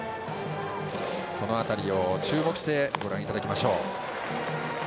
その辺りに注目してご覧いただきましょう。